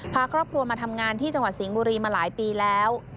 พาครอบครัวมาทำงานที่จังหวัดสิงห์บุรีมาหลายปีแล้ว